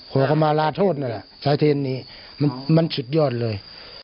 ขอคำมาลาโทษนั่นแหละสายเทนนี้มันสุดยอดเลย